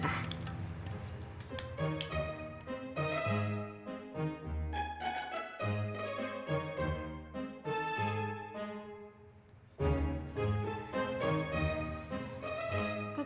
mak mau cobain